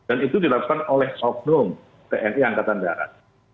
dan itu dilakukan oleh sopnum tni angkatan darat